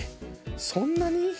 そんなに？